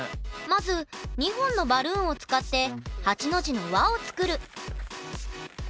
まず２本のバルーンを使って８の字の輪を作る。